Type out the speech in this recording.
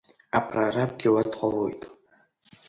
Апрорабгьы уа дҟалоит.